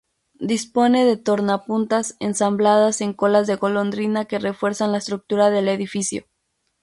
Dispone de tornapuntas ensambladas en colas de golondrina que refuerzan la estructura del edificio.